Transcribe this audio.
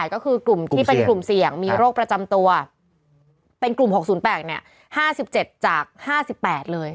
ก็คือกลุ่มที่เป็นกลุ่มเสี่ยงมีโรคประจำตัวเป็นกลุ่ม๖๐๘๕๗จาก๕๘เลย